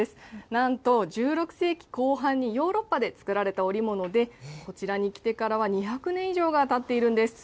なんと、１６世紀後半にヨーロッパで作られた織物で、こちらに来てからは２００年以上がたっているんです。